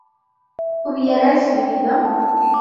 ¿hubierais vivido?